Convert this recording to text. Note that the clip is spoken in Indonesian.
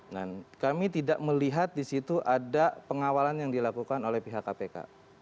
dan kami tidak melihat di situ ada pengawalan yang dilakukan oleh pihak kpk